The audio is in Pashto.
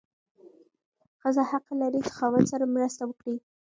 ښځه حق لري چې خاوند سره مرسته وکړي.